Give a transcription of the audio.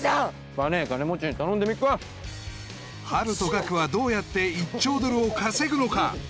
パネエ金持ちに頼んでみっかハルとガクはどうやって１兆ドルを稼ぐのか？